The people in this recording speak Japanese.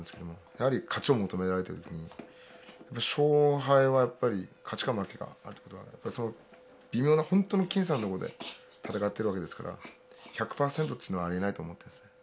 やはり勝ちを求められてる時に勝敗はやっぱり勝ちか負けかあるって事なんで微妙な本当の僅差のとこで戦ってるわけですから１００％というのはありえないと思ってるんですね。